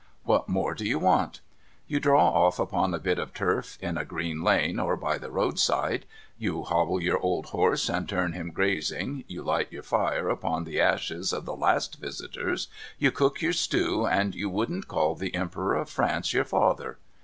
What more do you want ? You draw off upon a bit of turf in a green lane or by the roadside, you hobble your old horse and turn him grazing, you light your fire upon the ashes of the last visitors, you cook your stew, and you wouldn't call the Emperor of France your father.